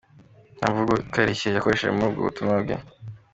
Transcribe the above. Nta mvugo ikarishye yakoresheje muri ubwo butumwa bwe.